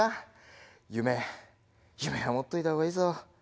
夢は持っといた方がいいぞ。